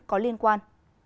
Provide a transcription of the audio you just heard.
và liên quan